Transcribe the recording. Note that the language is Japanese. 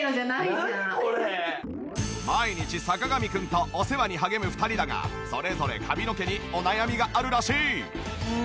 毎日坂上くんとお世話に励む２人だがそれぞれ髪の毛にお悩みがあるらしい。